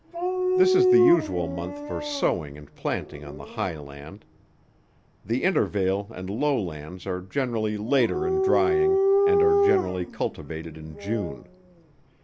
This is the usual month for sowing and planting on the high land. The intervale and low lands are generally later in drying, and are generally cultivated in June.